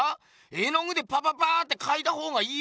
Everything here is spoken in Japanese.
絵の具でパパパってかいた方がいいべよ？